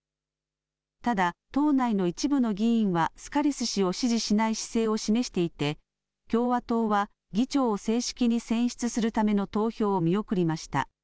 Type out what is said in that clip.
ただ党内の一部の議員はスカリス氏を支持しない姿勢を示していて共和党は議長を正式に選出するための投票を見送りました。